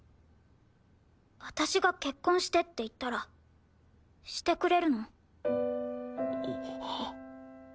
私が結婚してって言ったらしてくれるの？